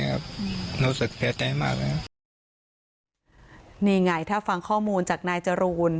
นะครับรู้สึกเชียวใจมากแล้วนี่ไงถ้าฟังข้อมูลจากนายจรูน